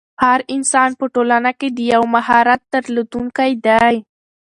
هر انسان په ټولنه کښي د یو مهارت درلودونکی دئ.